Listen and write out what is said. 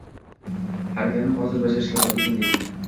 Harakatni hozir bajarishga odatlaning.